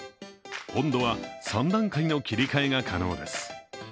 温度は３段階の切り替えが可能です。